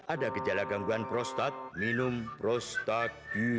ada gejala gangguan prostat minum prostat